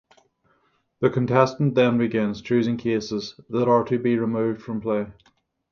The contestant then begins choosing cases that are to be removed from play.